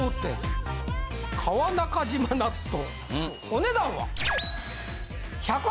お値段は？